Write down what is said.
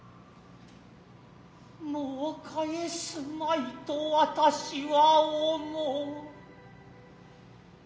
もう帰すまいと私は思ふ。